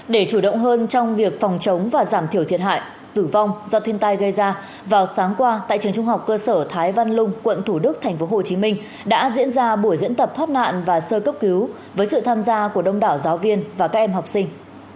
để chủ động hơn trong việc phòng chống và giảm thiểu thiệt hại tử vong do thiên tai gây ra vào sáng qua tại trường trung học cơ sở thái văn lung quận thủ đức tp hcm đã diễn ra buổi diễn tập thoát nạn và sơ cấp cứu với sự tham gia của đông đảo giáo viên và các em học sinh